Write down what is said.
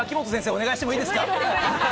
お願いしてもいいですか？